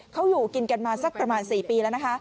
เขาอยู่กินกันมาสักประมาณ๔ปีแล้วนะคะ